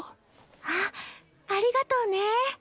あっありがとうね。